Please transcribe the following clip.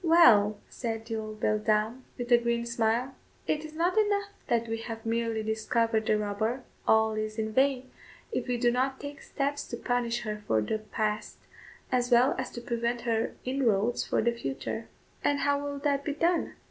"Well," said the old beldame, with a grim smile, "it is not enough that we have merely discovered the robber; all is in vain, if we do not take steps to punish her for the past, as well as to prevent her inroads for the future." "And how will that be done?"